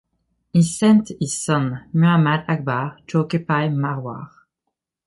He sent his son, Muhammad Akbar, to occupy Marwar.